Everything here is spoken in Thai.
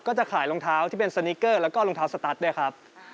จะขายรองเท้าที่เป็นสนิกเกอร์แล้วก็รองเท้าสตัสด้วยครับ